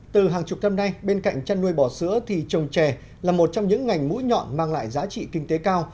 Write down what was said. từ hàng chục năm nay bên cạnh chăn nuôi bò sữa thì trồng chè là một trong những ngành mũi nhọn mang lại giá trị kinh tế cao